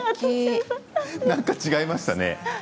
なんか違いましたね。